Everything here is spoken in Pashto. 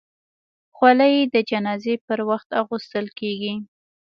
خولۍ د جنازې پر وخت اغوستل کېږي.